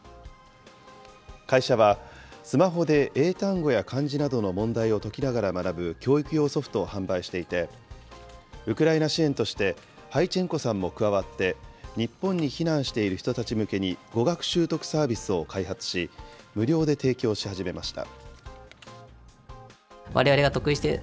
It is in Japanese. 会社は、スマホで英単語や漢字などの問題を解きながら学ぶ教育用ソフトを販売していて、ウクライナ支援として、ハイチェンコさんも加わって、日本に避難している人たち向けに語学習得サービスを開発し、無料で提供し始めました。